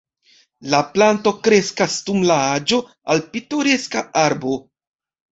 La planto kreskas dum la aĝo al pitoreska arbo.